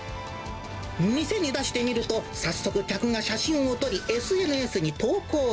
店に出してみると、早速、客が写真を撮り、ＳＮＳに投稿。